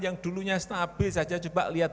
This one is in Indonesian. yang dulunya stabil aja juga lihat